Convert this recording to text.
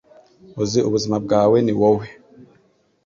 uzi ubuzima bwawe niwowe